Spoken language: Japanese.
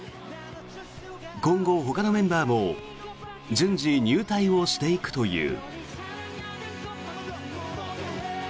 今後、ほかのメンバーも順次、入隊をしていくという。